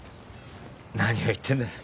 何を言ってんだ。